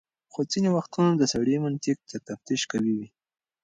خو ځینې وختونه د سړي منطق تر تفتيش قوي وي.